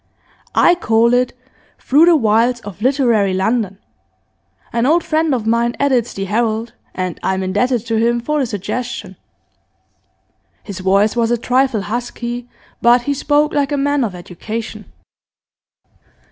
I call it "Through the Wilds of Literary London." An old friend of mine edits the "Herald," and I'm indebted to him for the suggestion.' His voice was a trifle husky, but he spoke like a man of education.